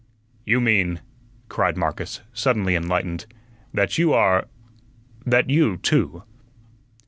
"You mean," cried Marcus, suddenly enlightened, "that you are that you, too."